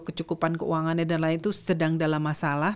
kecukupan keuangannya dan lain itu sedang dalam masalah